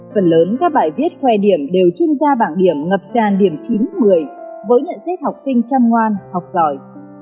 phần lớn các bài viết khoe điểm đều trưng ra bảng điểm ngập tràn điểm chín một mươi với nhận xét học sinh chăm ngoan học giỏi